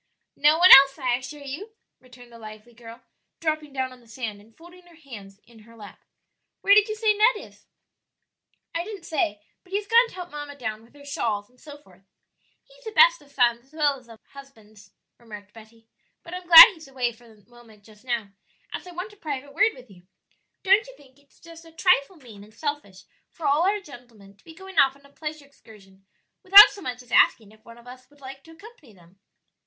"No one else, I assure you," returned the lively girl, dropping down on the sand and folding her hands in her lap. "Where did you say Ned is?" "I didn't say; but he has gone to help mamma down with her shawls and so forth." "He's the best of sons as well as of husbands," remarked Betty; "but I'm glad he's away for a moment just now, as I want a private word with you. Don't you think it is just a trifle mean and selfish for all our gentlemen to be going off on a pleasure excursion without so much as asking if one of us would like to accompany them?"